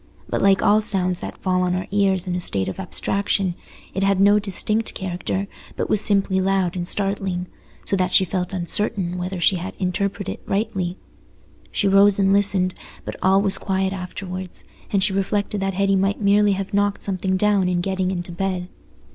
But like all sounds that fall on our ears in a state of abstraction, it had no distinct character, but was simply loud and startling, so that she felt uncertain whether she had interpreted it rightly. She rose and listened, but all was quiet afterwards, and she reflected that Hetty might merely have knocked something down in getting into bed.